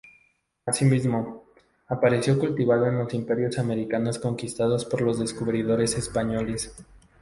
Así mismo, apareció cultivado en los imperios americanos conquistados por los descubridores españoles.